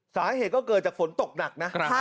สาเหตุก็เกิดจากฝนตกหนักนะ